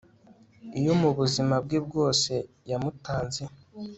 iyo mubuzima bwe bwose yamutanze